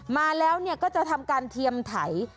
มาแล้วก็จะทำการเทียมไถ